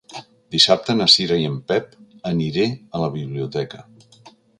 Dissabte na Cira i en Pep aniré a la biblioteca.